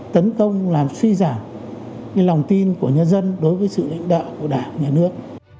tấn công làm suy giảm lòng tin của nhân dân đối với sự lãnh đạo của đảng nhà nước